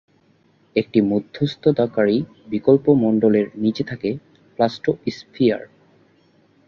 একটি মধ্যস্থতাকারী বিকল্প মন্ডলের নীচে থাকে প্লাস্টোস্ফিয়ার।